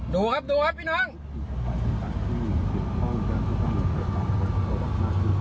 ดูครับเกาะหน้ารถไปแล้วนะครับ